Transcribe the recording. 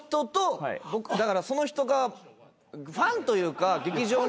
だからその人がファンというか劇場に。